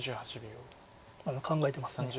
あっ考えてます。